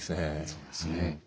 そうですね。